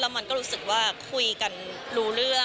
ต้องมีความสัมพันธ์ที่ดี